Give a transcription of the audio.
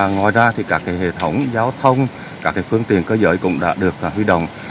ngoài ra các hệ thống giao thông các phương tiện cơ giới cũng đã được huy động